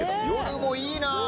夜もいいな！